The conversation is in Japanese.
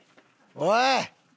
おい！